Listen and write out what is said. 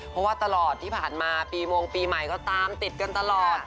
เพราะว่าตลอดที่ผ่านมาปีมงปีใหม่ก็ตามติดกันตลอด